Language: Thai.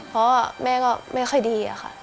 เพราะแม่ก็ไม่ค่อยดีค่ะ